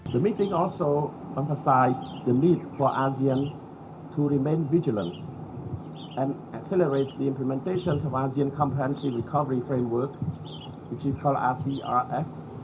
perjumpaan ini juga mempengaruhi kebutuhan untuk asean untuk tetap berhati hati dan mempercepat implementasi peraturan penyelamat kekuatan asean yang disebut rcrf